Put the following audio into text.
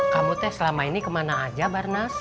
kamu teh selama ini kemana aja barnas